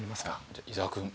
じゃあ伊沢くん。